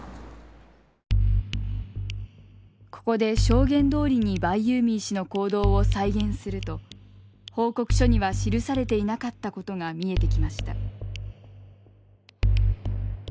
ここで証言どおりにバイユーミー氏の行動を再現すると報告書には記されていなかったことが見えてきました。